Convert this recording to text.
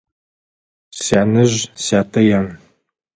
Сянэжъ сятэ ян.